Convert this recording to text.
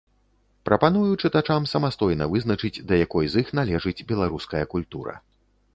Прапаную чытачам самастойна вызначыць, да якой з іх належыць беларуская культура.